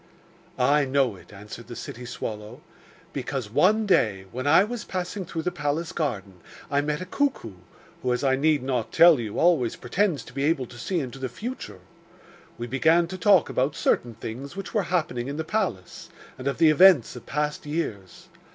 'I know it,' answered the city swallow, 'because, one day, when I was passing through the palace garden, I met a cuckoo, who, as I need not tell you, always pretends to be able to see into the future. We began to talk about certain things which were happening in the palace, and of the events of past years.